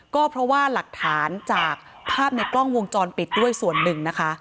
ก็เพราะว่าหลักฐานจากภาพในกล้องวงจรปิดด้วยส่วนหนึ่งนะคะ